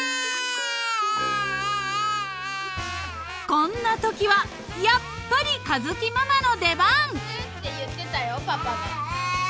［こんなときはやっぱり佳月ママの出番］